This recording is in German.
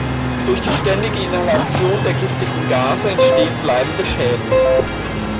Durch die ständige Inhalation der giftigen Gase entstehen bleibende Schäden.